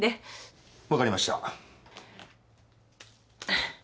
分かりました。